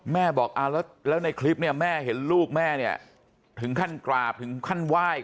บอกแล้วในคลิปเนี่ยแม่เห็นลูกแม่เนี่ยถึงขั้นกราบถึงขั้นไหว้